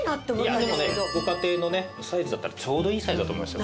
いやでもねご家庭のねサイズだったらちょうどいいサイズだと思いますよ